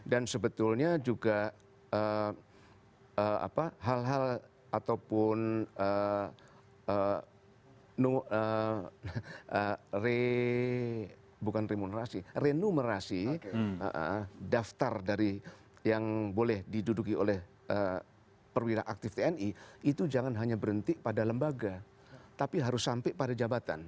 dan sebetulnya juga hal hal ataupun renumerasi daftar dari yang boleh diduduki oleh perwira aktif tni itu jangan hanya berhenti pada lembaga tapi harus sampai pada jabatan